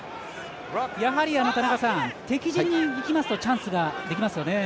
やはり田中さん敵陣に行きますとチャンスができますよね。